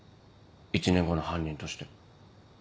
１年後の犯人として。